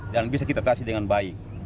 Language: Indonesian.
dan bisa kita kasih dengan baik